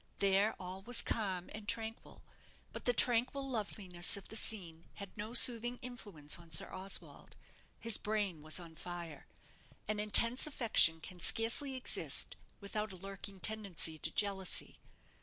There all was calm and tranquil; but the tranquil loveliness of the scene had no soothing influence on Sir Oswald. His brain was on fire. An intense affection can scarcely exist without a lurking tendency to jealousy.